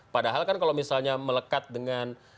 padahal kan kalau misalnya melekat dengan